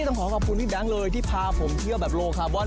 ต้องขอขอบคุณพี่แบงค์เลยที่พาผมเที่ยวแบบโลคาร์บอน